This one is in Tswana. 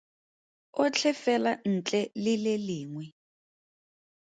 Otlhe fela ntle le le lengwe.